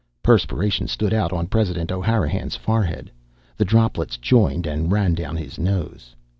Perspiration stood out on President O'Hanrahan's forehead. The droplets joined and ran down his nose.